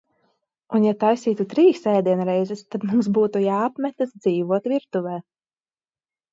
Un ja taisītu trīs ēdienreizes, tad mums būtu jāapmetas dzīvot virtuvē.